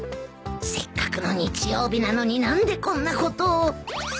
せっかくの日曜日なのに何でこんなことを